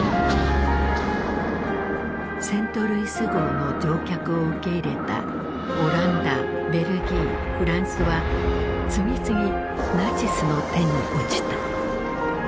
セントルイス号の乗客を受け入れたオランダベルギーフランスは次々ナチスの手に落ちた。